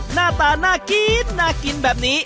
หน้าตาน่ากินน่ากินแบบนี้